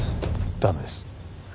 ダメです